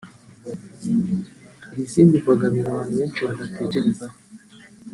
Hari izindi mbogamizi abantu benshi badatekerezaho